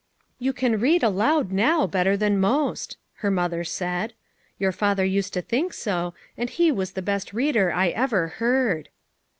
"You can read aloud now better than most," her mother said. "Your father used to think so, and he was the best reader I ever heard."